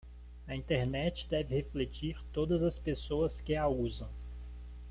A Internet deve refletir todas as pessoas que a usam